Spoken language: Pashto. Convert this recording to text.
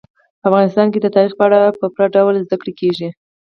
په افغانستان کې د تاریخ په اړه په پوره ډول زده کړه کېږي.